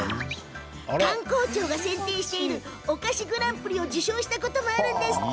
観光庁が選定しているお土産グランプリを受賞したこともあるんですって。